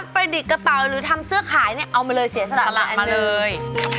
ประดิษฐ์กระเป๋าหรือทำเสื้อขายเนี่ยเอามาเลยเสียสละลายมาเลย